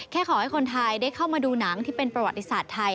ขอให้คนไทยได้เข้ามาดูหนังที่เป็นประวัติศาสตร์ไทย